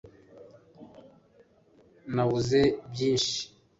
Nabuze byinshi